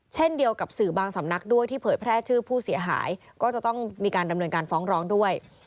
เช่นเดียวกับสื่อบางสำนักด้วยที่เผยแพร่ชื่อผู้เสียหายก็จะต้องมีการดำเนินการฟ้องร้องด้วย